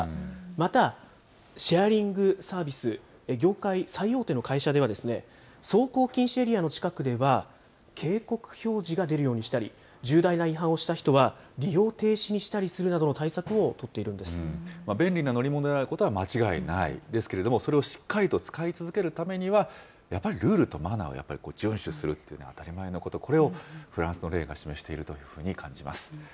またシェアリングサービス業界最大手の会社では、走行禁止エリアの近くでは、警告表示が出るようにしたり、重大な違反をした人は、利用停止にしたりするなどの対策を取って便利な乗り物であることは間違いない、ですけれども、それをしっかりと使い続けるためには、やっぱりルールとマナーは、やっぱり順守するというのが当たり前のこと、これをフランスの例が示しているというふうに感じます。